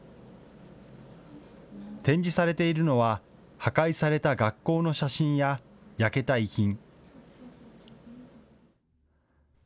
展示されているのは破壊された学校の写真や焼けた遺品。